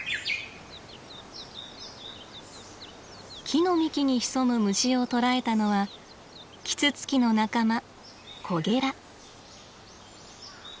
木の幹に潜む虫を捕らえたのはキツツキの仲間